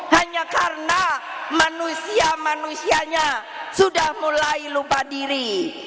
hanya karena manusia manusianya sudah mulai lupa diri